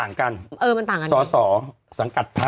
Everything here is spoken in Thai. อ้ามึงออกป่ะ